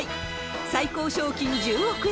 最高賞金１０億円。